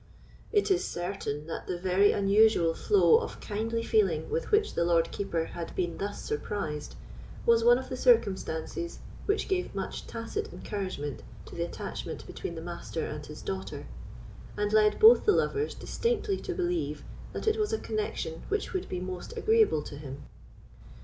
It is certain, that the very unusual flow of kindly feeling with which the Lord Keeper had been thus surprised, was one of the circumstances which gave much tacit encouragement to the attachment between the Master and his daughter, and led both the lovers distinctly to believe that it was a connexion which would be most agreeable to him.